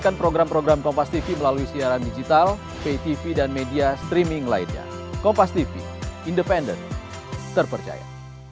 yang berada di kedai kedai kedai